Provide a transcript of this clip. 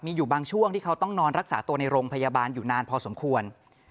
มีอยู่บางช่วงที่เขาต้องนอนรักษาตัวในโรงพยาบาลอยู่นานพอสมควร